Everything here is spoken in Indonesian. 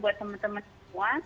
buat teman teman semua